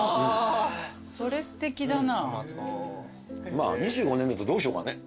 まあ２５年目ってどうしようかね。